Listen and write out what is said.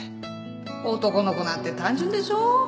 男の子なんて単純でしょ？